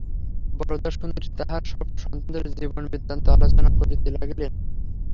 বরদাসুন্দরী তাঁহার সব সন্তানদের জীবনবৃত্তান্ত আলোচনা করিতে লাগিলেন।